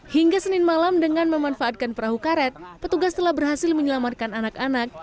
hingga senin malam dengan memanfaatkan perahu karet petugas telah berhasil menyelamatkan anak anak